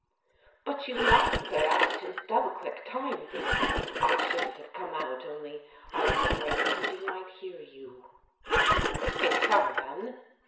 "But you must clear out in double quick time, dear, I shouldn't have come out only I was afraid somebody might hear you/* "He's come then?"